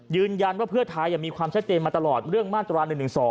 ยืนยันว่าเพื่อไทยมีความชัดเจนมาตลอดเรื่องมาตรา๑๑๒